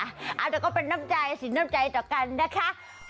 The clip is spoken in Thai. แต่ก็เป็นน้ำใจสินน้ำใจต่อกันนะคะ